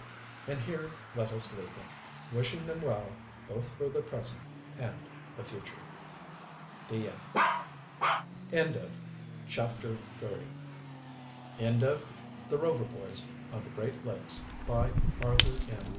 And here let us leave them, wishing them well, both for the present and the future. THE END. End of the Project Gutenberg EBook of The Rover Boys on the Great Lakes, by Arthur M.